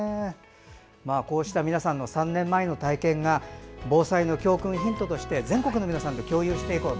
こうした皆さんの３年前の体験が防災の教訓、ヒントとして全国の皆さんと共有していこう。